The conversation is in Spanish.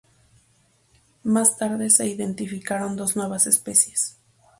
Más tarde se identificaron dos nuevas especies.